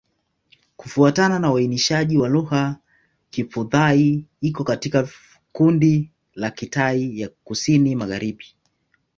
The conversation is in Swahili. Kufuatana na uainishaji wa lugha, Kiphu-Thai iko katika kundi la Kitai ya Kusini-Magharibi.